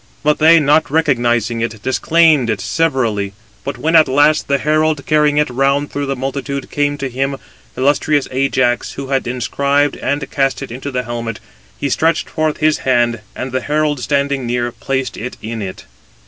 But they, not recognizing it, disclaimed it severally. But, when at last the herald, carrying it round through the multitude, came to him, illustrious Ajax, who had inscribed and cast it into the helmet, he [Ajax] stretched forth his hand, and the herald standing near, placed it in it.